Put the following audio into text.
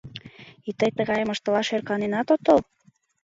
— И тый тыгайым ыштылаш ӧрканенат отыл?